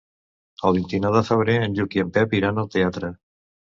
El vint-i-nou de febrer en Lluc i en Pep iran al teatre.